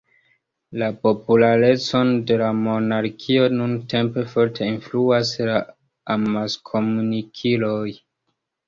La popularecon de la monarkio nuntempe forte influas la amaskomunikiloj.